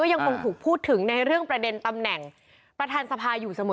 ยังคงถูกพูดถึงในเรื่องประเด็นตำแหน่งประธานสภาอยู่เสมอ